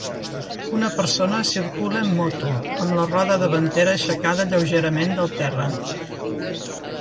Una persona circula amb moto, amb la roda davantera aixecada lleugerament del terra.